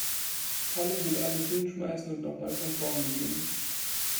Kalle will alles hinschmeißen und noch mal von vorn beginnen.